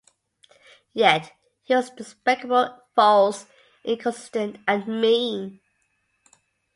Yet he was despicable, false, inconsistent, and mean.